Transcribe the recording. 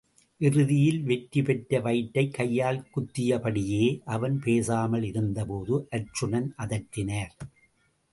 இறுதியில் வெற்றிபெற்ற வயிற்றைக் கையால் குத்தியபடியே, அவன் பேசாமல் இருந்தபோது அர்ச்சுனன் அதட்டினார்.